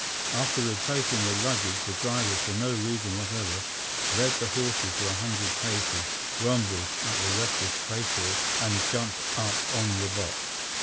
After replacing the luggage the driver for no reason whatever led the horses for a hundred paces, grumbled at the restless tracehorse, and jumped up on the box.